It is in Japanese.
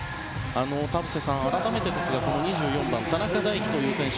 田臥さん、改めてですが２４番の田中大貴という選手。